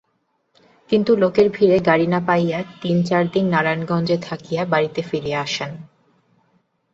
কিন্তু লোকের ভিড়ে গাড়ী না পাইয়া তিন-চার দিন নারায়ণগঞ্জে থাকিয়া বাড়ীতে ফিরিয়া আসেন।